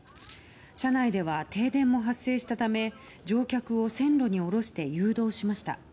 車内では停電も発生したため乗客を線路に下ろして誘導しました。